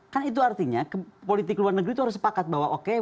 kan itu artinya politik luar negeri itu harus sepakat bahwa oke